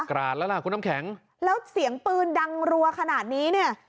ราดแล้วล่ะคุณน้ำแข็งแล้วเสียงปืนดังรัวขนาดนี้เนี่ย